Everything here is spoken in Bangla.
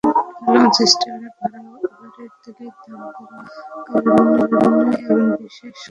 লঞ্চ-স্টিমারের ভাড়াও এবারের তেলের দাম কমানোর কারণে কমবে—এমন বিশ্বাস করার কারণ নেই।